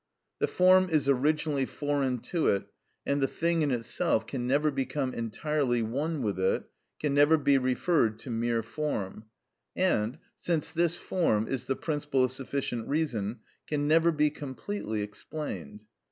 The form is originally foreign to it, and the thing in itself can never become entirely one with it, can never be referred to mere form, and, since this form is the principle of sufficient reason, can never be completely explained.